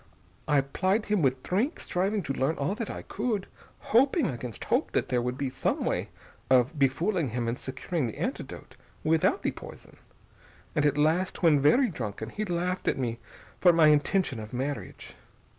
I plied him with drink, striving to learn all that I could, hoping against hope that there would be some way of befooling him and securing the antidote without the poison.... And at last, when very drunken, he laughed at me for my intention of marriage.